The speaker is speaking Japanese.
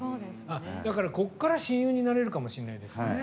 だから、こっから親友になれるかもしれないですよね。